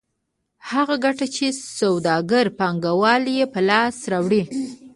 هغه ګټه چې سوداګر پانګوال یې په لاس راوړي